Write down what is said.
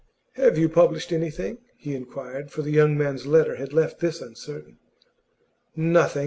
'Have you published anything?' he inquired, for the young man's letter had left this uncertain. 'Nothing.